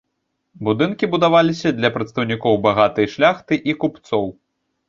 Будынкі будаваліся для прадстаўнікоў багатай шляхты і купцоў.